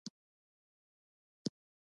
انا له طبیعي درملو سره بلد ده